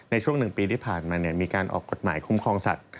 ในช่วง๑ปีที่ผ่านมามีการออกกฎหมายคุ้มครองสัตว